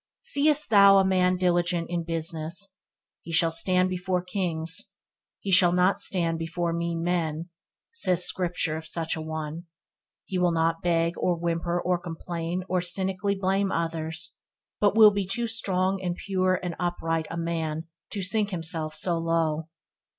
"Seest thou a man diligent in business; he shall stand before kings, he shall not stand before mean men," says Scripture of such a one. He will not beg, or whimper, or complain, or cynically blame others, but will be too strong and pure and upright a man to sink himself so low.